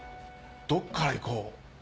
どっから行こう？